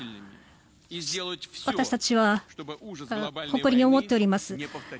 私たちは誇りに思っております。